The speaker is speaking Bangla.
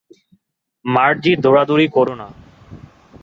মার্জি, দৌড়াদৌড়ি করো না!